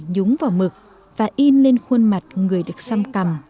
nhúng vào mực và in lên khuôn mặt người được xăm cầm